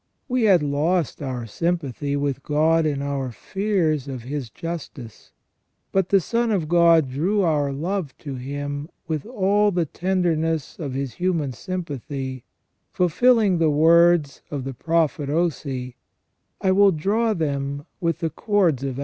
t We had lost our sympathy with God in our fears of His justice ; but the Son of God drew our love to Him with all the tenderness of His human sympathy, fulfilling the words of the Prophet Osee :" I will draw them with the cords of * Ricardus de S.